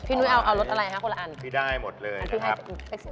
พี่นุ้ยเอารสอะไรคะคนละอันพี่ได้หมดเลยนะครับ